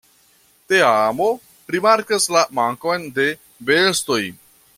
Teamo rimarkas la mankon de bestoj.